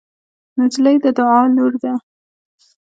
نجلۍ د دعا لور ده.